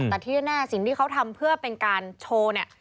แต่ที่แน่สิ่งที่เขาทำเพื่อเป็นการโชว์เนี่ย